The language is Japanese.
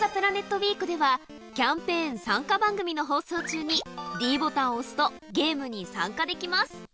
ウイークでは、キャンペーン参加番組の放送中にｄボタンを押すと、ゲームに参加できます。